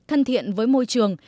thân thiện với môi trường